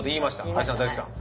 ＡＩさん大好きさん